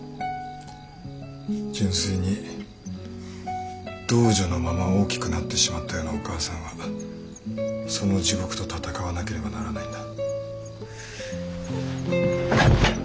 純粋に童女のまま大きくなってしまったようなお母さんはその地獄と闘わなければならないんだ。